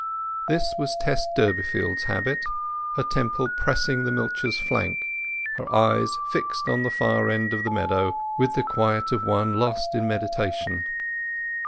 This was Tess Durbeyfield's habit, her temple pressing the milcher's flank, her eyes fixed on the far end of the meadow with the quiet of one lost in meditation.